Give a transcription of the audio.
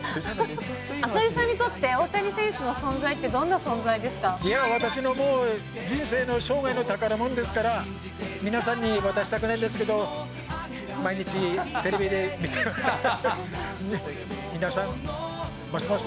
浅利さんにとって、大谷選手私のもう、人生の、生涯の宝物ですから、皆さんに渡したくないんですけど、毎日テレビで見てます。